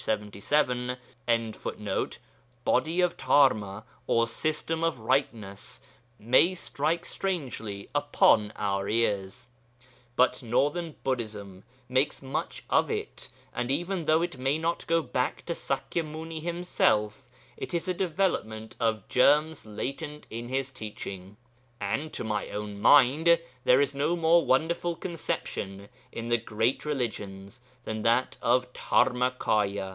77.] (Body of Dharma, or system of rightness) may strike strangely upon our ears, but northern Buddhism makes much of it, and even though it may not go back to Sakya Muni himself, it is a development of germs latent in his teaching; and to my own mind there is no more wonderful conception in the great religions than that of Dharmakâya.